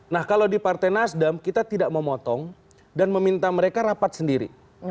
nah kalau di partai nasdem kita tidak memotong dan meminta mereka rapat sendiri